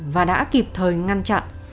và đã kịp thời ngăn chặn